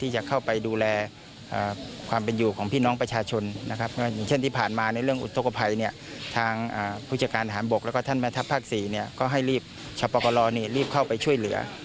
ชาวปกลลอนี่รีบเข้าไปช่วยเหลือ